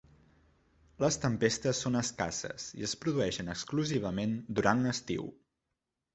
Les tempestes són escasses i es produeixen exclusivament durant l'estiu.